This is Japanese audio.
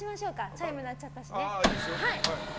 チャイム鳴っちゃったしね。